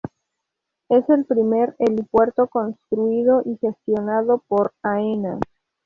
Es el primer helipuerto construido y gestionado por Aena.